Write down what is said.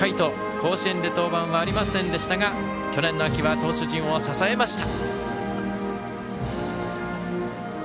甲子園で登板はありませんでしたが去年の秋は投手陣を支えました。